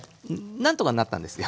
何とかなったんですよ。